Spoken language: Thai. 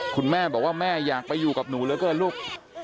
คุณแม่บอกว่าแม่อยากไปอยู่กับหนูเหลือเกินลูก